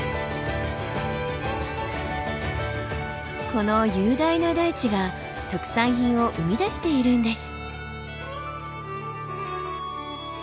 この雄大な大地が特産品を生み出しているんです。